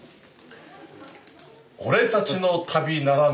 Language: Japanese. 「俺たちの旅」ならぬ。